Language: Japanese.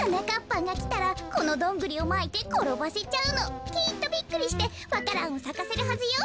ぱんがきたらこのドングリをまいてころばせちゃうの。きっとびっくりしてわか蘭をさかせるはずよ。